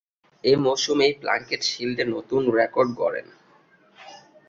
এ মৌসুমেই প্লাঙ্কেট শীল্ডে নতুন রেকর্ড গড়েন।